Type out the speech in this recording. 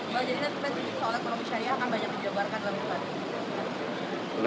jadi nanti pak chanti soal ekonomi syariah akan banyak dijelaskan bukan